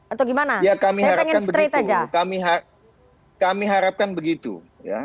atau gimana saya pengen straight aja